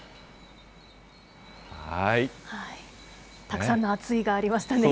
たくさんのあついがありましたね。